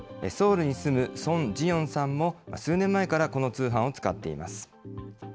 ソウルに住むソン・ジヨンさんも数年前からこの通販を使っています。